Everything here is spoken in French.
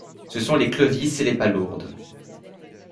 Ce sont les clovisses et les palourdes.